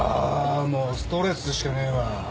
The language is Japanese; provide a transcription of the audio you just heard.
もうストレスしかねえわ。